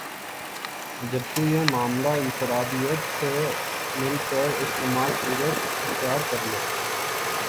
جبکہ یہ معاملہ انفراد عیت سے ل کر اجتماع صورت اختیار کر لے